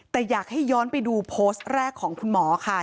แต่อยากให้ย้อนไปดูโพสต์แรกของคุณหมอค่ะ